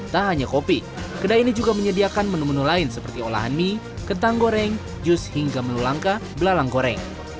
tak hanya kopi kedai ini juga menyediakan menu menu lain seperti olahan mie ketang goreng jus hingga menu langka belalang goreng